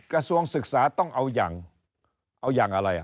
กระทรวงศึกษาต้องเอาอย่างเอาอย่างอะไร